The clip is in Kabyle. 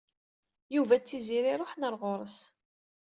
Yuba d Tiziri ṛuḥen ɣer ɣur-s.